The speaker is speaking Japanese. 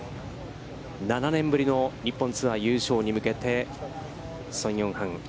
７年ぶりの日本ツアー優勝に向けて、宋永漢。